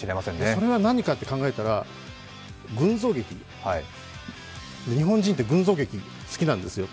それが何かって考えたら群像劇、日本人って群像劇、好きなんですよ